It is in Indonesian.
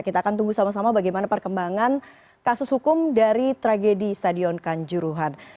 kita akan tunggu sama sama bagaimana perkembangan kasus hukum dari tragedi stadion kanjuruhan